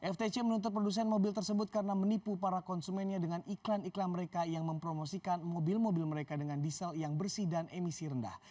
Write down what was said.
ftc menuntut produsen mobil tersebut karena menipu para konsumennya dengan iklan iklan mereka yang mempromosikan mobil mobil mereka dengan diesel yang bersih dan emisi rendah